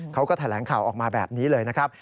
เขาก็แถลงข่าวออกมาแบบนี้เลยนะครับ